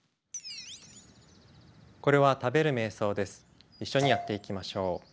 これは一緒にやっていきましょう。